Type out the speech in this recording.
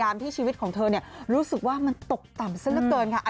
ที่ชีวิตของเธอรู้สึกว่ามันตกต่ำซะละเกินค่ะ